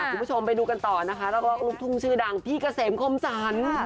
คุณผู้ชมไปดูกันต่อนะคะแล้วก็ลูกทุ่งชื่อดังพี่เกษมคมสรร